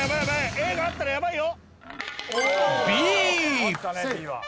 Ａがあったらやばいよ！